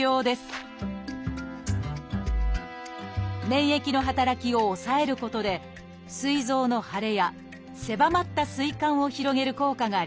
免疫の働きを抑えることですい臓の腫れや狭まったすい管を広げる効果があります